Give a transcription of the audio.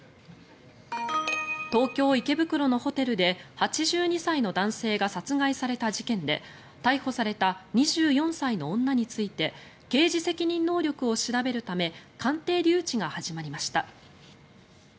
東京・池袋のホテルで８２歳の男性が殺害された事件で逮捕された２４歳の女について刑事責任能力を調べるため鑑定留置が始まりました。